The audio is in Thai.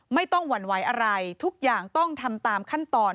หวั่นไหวอะไรทุกอย่างต้องทำตามขั้นตอน